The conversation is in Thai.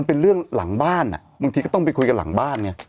เป็นเรื่องหลังบ้านอ่ะบางทีก็ต้องไปคุยกันหลังบ้านไง